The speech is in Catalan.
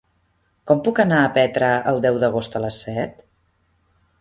Com puc anar a Petra el deu d'agost a les set?